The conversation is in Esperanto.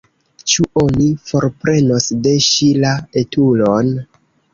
Ĉu oni forprenos de ŝi la etulon?